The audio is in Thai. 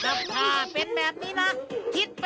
มีมีน้องเคยดูมีหรือเปล่า